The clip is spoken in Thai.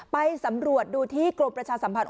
ไปสำรวจดูที่กรมประชาสัมพันธ์